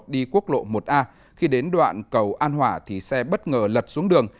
đi quốc lộ một a khi đến đoạn cầu an hỏa thì xe bất ngờ lật xuống đường